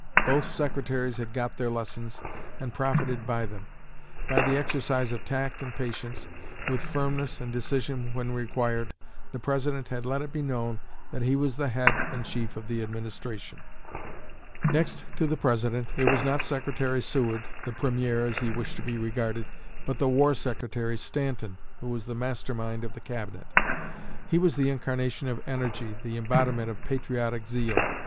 Both Secretaries had got their lessons, and profited by them. By the exercise of tact and patience, with firmness and decision when required, the President had let it be known that he was the head and chief of the Administration. Next to the President, it was not Secretary Seward, the "Premier" as he wished to be regarded, but the War Secretary, Stanton, who was the master mind of the Cabinet. He was the incarnation of energy, the embodiment of patriotic zeal.